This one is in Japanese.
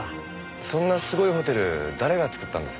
そんなすごいホテル誰が造ったんですか？